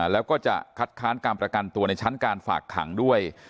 แล้วก็จะคัดค้านการประกันตัวในชั้นการฝากขังด้วย